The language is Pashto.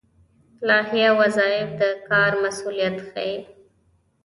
لایحه وظایف د کار مسوولیت ښيي